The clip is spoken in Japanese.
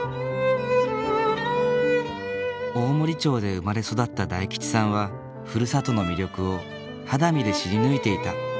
大森町で生まれ育った大吉さんはふるさとの魅力を肌身で知り抜いていた。